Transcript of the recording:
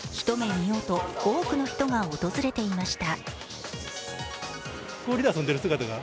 見ようと多くの人が訪れていました。